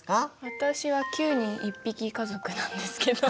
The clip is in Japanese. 私は９人１匹家族なんですけど。